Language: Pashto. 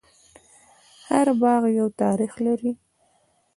هر باغ یو تاریخ لري.